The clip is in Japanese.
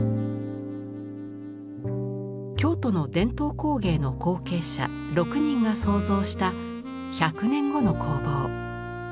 京都の伝統工芸の後継者６人が想像した１００年後の工房。